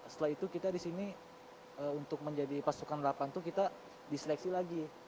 setelah itu kita di sini untuk menjadi pasukan delapan itu kita diseleksi lagi